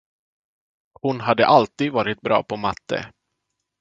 Hon hade alltid varit bra på matte.